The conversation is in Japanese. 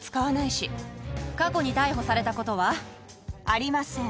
過去に逮捕されたことは？ありません。